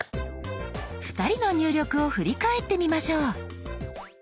２人の入力を振り返ってみましょう。